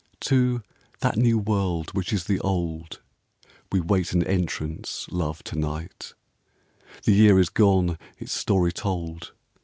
O "that new world which is the old," We wait an entrance, love, to night. The year is gone, its story told.